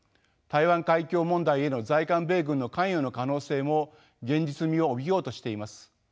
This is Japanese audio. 台湾海峡問題への在韓米軍の関与の可能性も現実味を帯びようとしています。